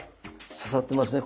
刺さってますね